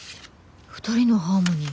「二人のハーモニー」。